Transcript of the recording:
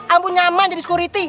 ambil nyaman jadi sekuriti